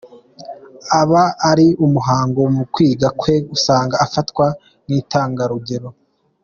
Aba ari umuhanga mu kwiga kwe usanga afatwa nk’intangarugero.